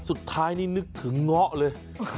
สุดท้ายนี่นึกถึงเงาะเลย